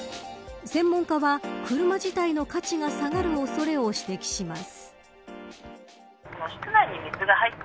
専門家は車自体の価値が下がる恐れを指摘します。